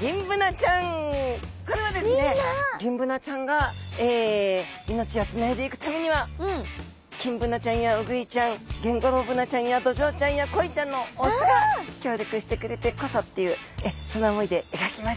ギンブナちゃんが命をつないでいくためにはキンブナちゃんやウグイちゃんゲンゴロウブナちゃんやドジョウちゃんやコイちゃんの雄が協力してくれてこそっていうそんな思いで描きました。